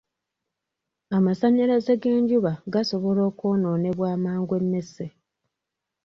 Amasannyalaze g'enjuba gasobola okwonoonebwa amangu emmese.